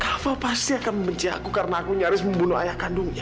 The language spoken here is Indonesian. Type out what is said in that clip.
kak fadil pasti akan membenci aku karena aku nyaris membunuh ayah kandungnya